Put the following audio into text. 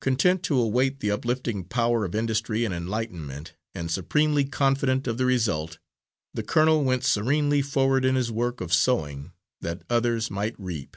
Content to await the uplifting power of industry and enlightenment, and supremely confident of the result, the colonel went serenely forward in his work of sowing that others might reap.